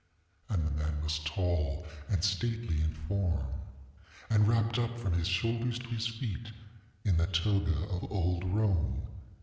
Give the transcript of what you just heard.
And the man was tall and stately in form, and was wrapped up from his shoulders to his feet in the toga of old Rome.